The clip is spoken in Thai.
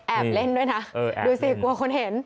เล่นด้วยนะดูสิกลัวคนเห็น